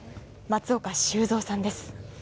松岡修造さんです。